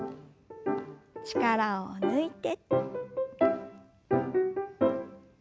力を抜いて。